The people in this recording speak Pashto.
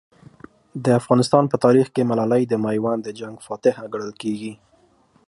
د افغانستان په تاریخ کې ملالۍ د میوند د جنګ فاتحه ګڼل کېږي.